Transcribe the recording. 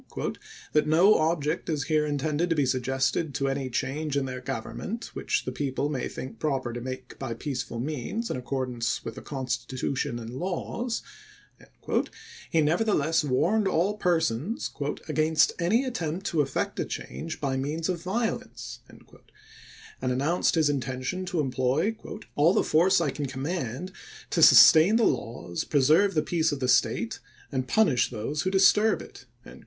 daring "that no objection is here intended to be suggested to any change in their government which the people may think proper to make by peaceful means, in accordance with the Constitu tion and laws," he nevertheless warned all persons " against any attempt to effect a change by means ^^^^^^ of violence," and announced his intention to employ oct!°i'2, " all the force I can command to sustain the laws, gt.^L^'mg preserve the peace of the State, and punish those "hc^,^ who disturb it."